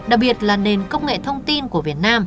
đặc biệt là nền công nghệ thông tin của việt nam